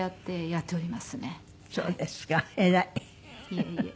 いえいえ。